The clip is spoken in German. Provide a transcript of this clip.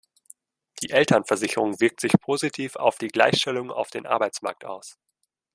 Die Elternversicherung wirkt sich positiv auf die Gleichstellung auf dem Arbeitsmarkt aus.